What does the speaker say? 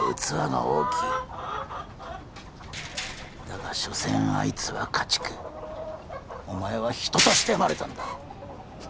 だがしょせんあいつは家畜お前は人として生まれたんだ！